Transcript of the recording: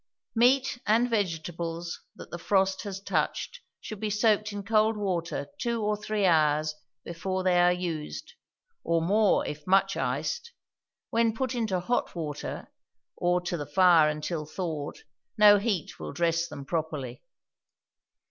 Meat and vegetables that the frost has touched should be soaked in cold water two or three hours before they are used, or more if much iced; when put into hot water, or to the fire until thawed, no heat will dress them properly.